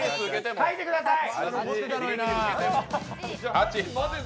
書いてください。